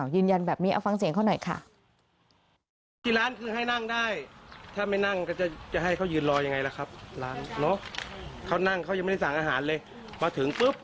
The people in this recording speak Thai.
เขาไม่ได้สั่งอาหารเลยมาถึงปุ๊บ